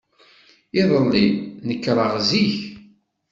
Iḍelli, nekreɣ zik.